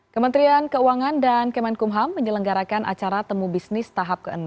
kementerian keuangan dan kemenkumham menyelenggarakan acara temu bisnis tahap ke enam